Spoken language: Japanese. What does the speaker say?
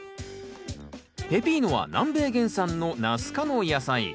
ペピーノは南米原産のナス科の野菜。